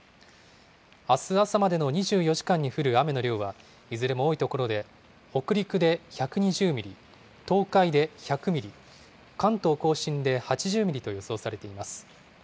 あす朝までの２４時間に降る雨の量は、いずれも多い所で、北陸で１２０ミリ、東海で１００ミリ、関東甲信で８０ミリと予想されています。